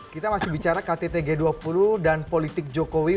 kita masih bicara kttg dua puluh dan politik jokowi